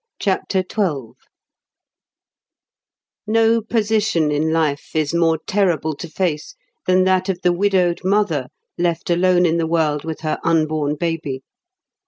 CHAPTER XII No position in life is more terrible to face than that of the widowed mother left alone in the world with her unborn baby.